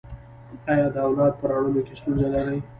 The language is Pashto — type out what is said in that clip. ایا د اولاد په راوړلو کې ستونزه لرئ؟